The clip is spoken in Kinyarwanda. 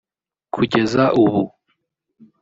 Kugeza ubu